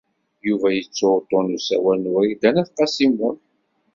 Yuba yettu uḍḍun n usawal n Wrida n At Qasi Muḥ.